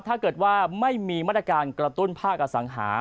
ถ้าเกิดว่าไม่มีมาตรการกระตุ้นภาคอสังหา